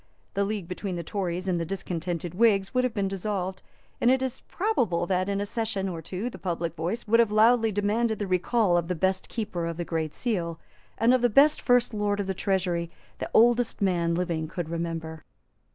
The league between the Tories and the discontented Whigs would have been dissolved; and it is probable that, in a session or two, the public voice would have loudly demanded the recall of the best Keeper of the Great Seal, and of the best First Lord of the Treasury, the oldest man living could remember.